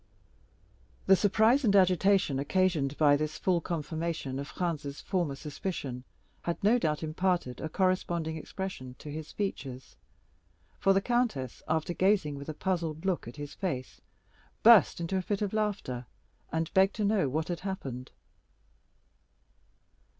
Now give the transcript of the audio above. The surprise and agitation occasioned by this full confirmation of Franz's former suspicion had no doubt imparted a corresponding expression to his features; for the countess, after gazing with a puzzled look at his face, burst into a fit of laughter, and begged to know what had happened.